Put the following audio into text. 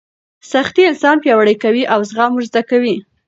سختۍ انسان پیاوړی کوي او زغم ور زده کوي.